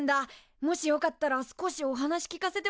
もしよかったら少しお話聞かせてもらえない？